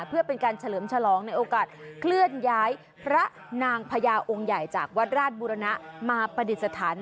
เพื่อเป็นการเฉลิมฉลองในโอกาสเคลื่อนย้ายพระนางพญาองค์ใหญ่จากวัดราชบุรณะมาประดิษฐาน